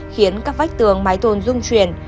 khiến các vách tường mái tôn dung chuyển